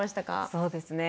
そうですね。